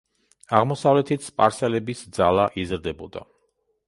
აღმოსავლეთით სპარსელების ძალა იზრდებოდა.